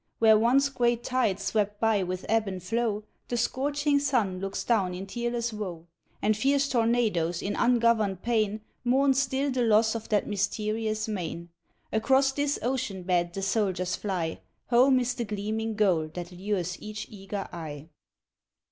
Where once great tides swept by with ebb and flow The scorching sun looks down in tearless woe. And fierce tornadoes in ungoverned pain Mourn still the loss of that mysterious main. Across this ocean bed the soldiers fly Home is the gleaming goal that lures each eager eye.